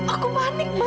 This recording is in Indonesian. aku panik ma